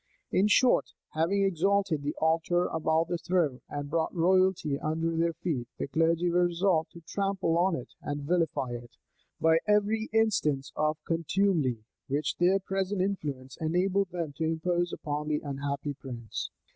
[*] In short, having exalted the altar above the throne, and brought royalty under their feet, the clergy were resolved to trample on it and vilify it, by every instance of contumely which their present influence enabled them to impose upon their unhappy prince.